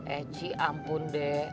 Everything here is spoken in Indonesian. eci ampun deh